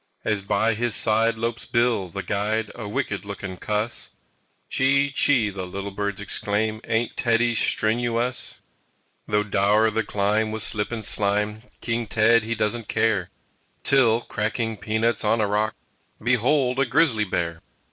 As by his side lopes Bill, the Guide, A wicked looking cuss "Chee chee!" the little birds exclaim, "Ain't Teddy stren oo uss!" Though dour the climb with slip and slime, King Ted he doesn't care, Till, cracking peanuts on a rock, Behold, a Grizzly Bear!